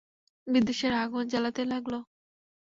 বিদ্বেষের আগুন জ্বালাতে লাগল।